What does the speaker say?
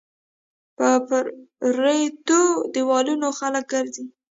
په پريوتو ديوالونو خلک ګرځى